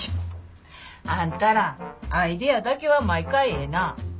あんたらアイデアだけは毎回ええなぁ。